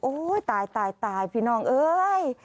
โอ๊ยตายพี่น้องเอ๊ย